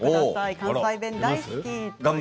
関西弁大好き。